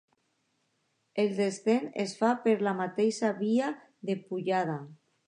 El descens es fa per la mateixa via de pujada.